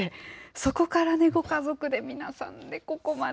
そこからご家族で、皆さんでここまで。